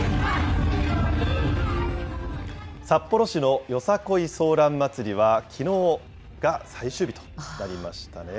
札幌市のＹＯＳＡＫＯＩソーラン祭りはきのうが最終日となりましたね。